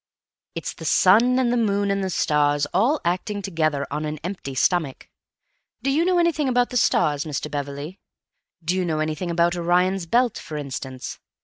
"It's the sun and the moon and the stars, all acting together on an empty stomach. Do you know anything about the stars, Mr. Beverley? Do you know anything about Orion's Belt, for instance?